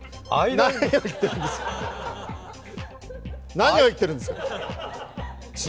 何を言ってるんですか！